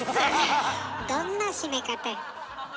どんな締め方や。